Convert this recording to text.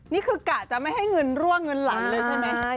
นี่คือกะจะไม่ให้เงินร่วงเงินหลังเลยใช่ไหม